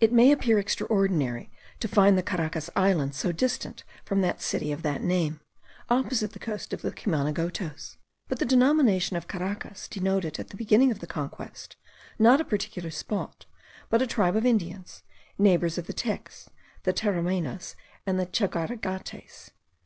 It may appear extraordinary, to find the Caracas Islands so distant from the city of that name, opposite the coast of the Cumanagotos; but the denomination of Caracas denoted at the beginning of the Conquest, not a particular spot, but a tribe of Indians, neighbours of the Tecs, the Taramaynas, and the Chagaragates.